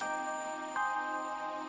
satu minggu anak tat atlintik